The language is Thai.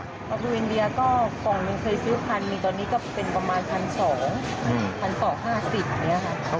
ประทูอินเดียฟังเคยซื้อ๑๐๐๐บาทตอนนี้ก็เป็น๑๒๐๐๑๒๕๐บาท